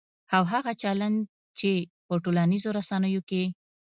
او هغه چلند چې په ټولنیزو رسنیو کې